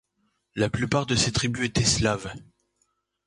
La plupart de ces tribus étaient slaves.